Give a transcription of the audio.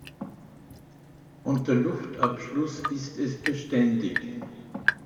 Unter Luftabschluss ist es beständig.